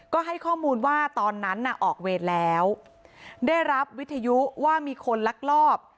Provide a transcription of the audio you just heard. ก็ให้ข้อมูลว่าตอนนั้นน่ะออกเวรแล้วได้รับวิทยุว่ามีคนลักลอบ